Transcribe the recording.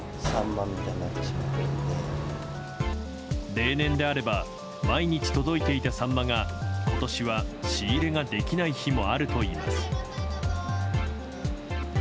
例年であれば毎日届いていたサンマが今年は仕入れができない日もあるといいます。